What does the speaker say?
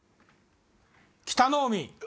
北の湖！